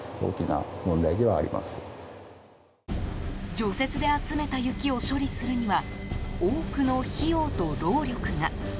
除雪で集めた雪を処理するには多くの費用と労力が。